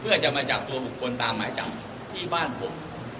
เพื่อจะมาจับตัวบุคคลตามหมายจับที่บ้านผม